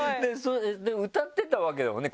でも歌ってたわけだもんね？